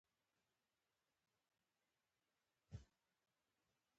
ماوو په نولس سوه شپږ اویا کال کې مړ شو.